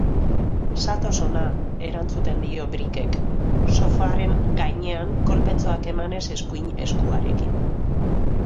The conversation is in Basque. Zatoz hona, erantzuten dio Brickek, sofaren gainean kolpetxoak emanez eskuin eskuarekin.